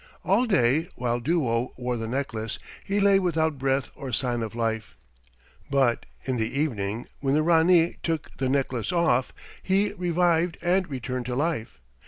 All day, while Duo wore the necklace, he lay without breath or sign of life, but in the evening, when the Ranee took the necklace off, he revived and returned to life.